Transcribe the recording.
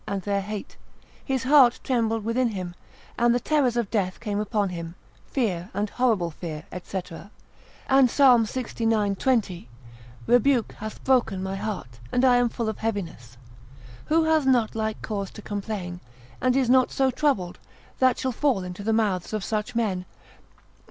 and their hate: his heart trembled within him, and the terrors of death came upon him; fear and horrible fear, &c., and Psal. lxix. 20. Rebuke hath broken my heart, and I am full of heaviness. Who hath not like cause to complain, and is not so troubled, that shall fall into the mouths of such men?